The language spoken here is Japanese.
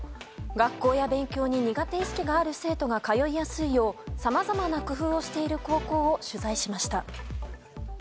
学校や勉強に苦手意識がある生徒が通いやすいようさまざまな工夫をしている高校を取材しました。